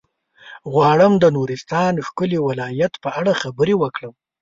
غواړم د نورستان د ښکلي ولايت په اړه خبرې وکړم.